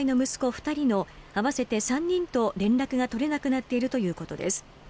二人の合わせて３人と連絡が取れなくなっているということです